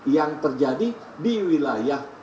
yang terjadi di wilayah